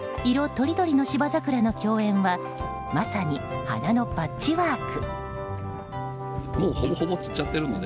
とりどりの芝桜の共演はまさに花のパッチワーク。